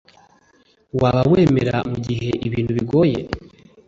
waba wemera mugihe ibintu bigoye